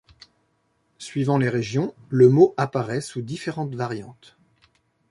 Suivant les régions, le mot apparaît sous différentes variantes.